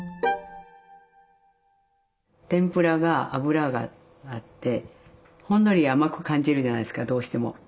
天ぷらが油があってほんのり甘く感じるじゃないですかどうしても。